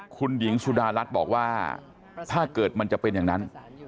คุณหญิงสุดารัฐบอกว่าถ้าเกิดมันจะเป็นอย่างนั้น